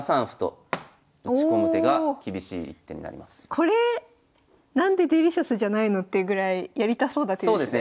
これ何でデリシャスじゃないの？っていうぐらいやりたそうな手ですね。